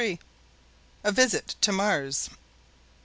A Visit to Mars.